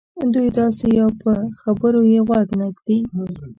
دوی داسې یوو په خبرو یې غوږ نه ږدي.